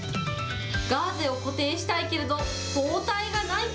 ガーゼを固定したいけれど、包帯がない！